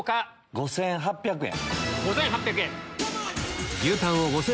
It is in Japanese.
５８００円。